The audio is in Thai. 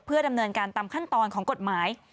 ดำเนินการตามขั้นตอนของกฎหมาย